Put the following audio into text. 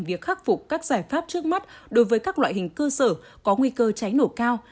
việc khắc phục các giải pháp trước mắt đối với các loại hình cơ sở có nguy cơ cháy nổ cao